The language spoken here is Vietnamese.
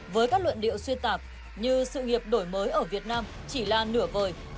với các luận điệu xuyên tạc như sự nghiệp đổi mới ở việt nam chỉ là nửa vời